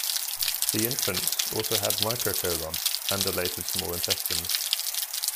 The infants also had microcolon and dilated small intestines.